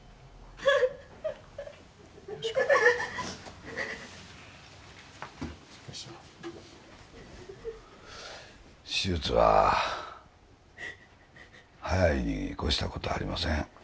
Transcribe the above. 佳子手術は早いにこしたことはありません